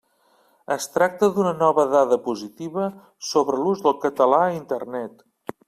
Es tracta d'una nova dada positiva sobre l'ús del català a Internet.